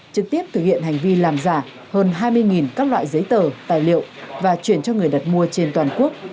trực tiếp thực hiện hành vi làm giả hơn hai mươi các loại giấy tờ tài liệu và chuyển cho người đặt mua trên toàn quốc